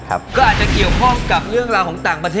สามเลยเลยครับ